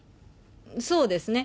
そうですね。